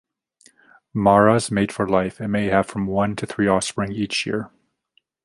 Maras mate for life, and may have from one to three offspring each year.